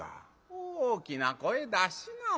大きな声出しなお前は。